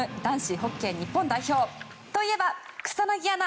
ホッケー日本代表といえば草薙アナ！